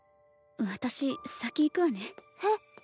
私先行くわねえっ？